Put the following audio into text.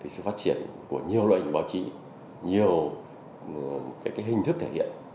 sự phát triển của nhiều loại hình báo chí nhiều hình thức thể hiện